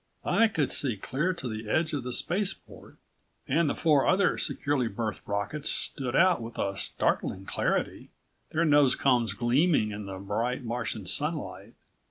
I could see clear to the edge of the spaceport, and the four other securely berthed rockets stood out with a startling clarity, their nose cones gleaming in the bright Martian sunlight.